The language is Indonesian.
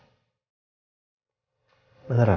dengan apa yang kamu buat